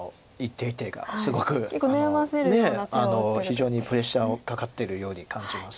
非常にプレッシャーかかってるように感じます。